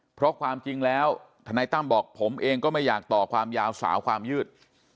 เพราะความจริงแล้วทนายตั้มบอกผมเองก็ไม่อยากต่อความยาวสาวความยืด